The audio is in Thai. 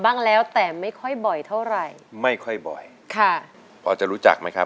บ้างแล้วแต่ไม่ค่อยบ่อยเท่าไหร่ไม่ค่อยบ่อยค่ะพอจะรู้จักไหมครับ